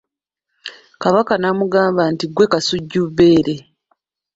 Kabaka n’amugamba nti ggwe Kasujjubbeere.